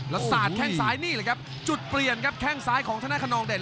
แล้วสาดแข้งซ้ายนี่แหละครับจุดเปลี่ยนครับแข้งซ้ายของธนาคนนองเด่น